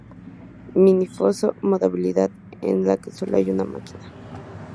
Mini Foso Modalidad en la que solo hay una máquina.